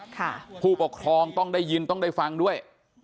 ผู้ปกครองต้องได้ยินต้องได้ฟังด้วย